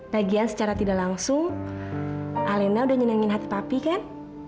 lagian secara tidak langsung alena sudah nyenengin hati papi kan